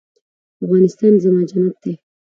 افغانستان زما جنت دی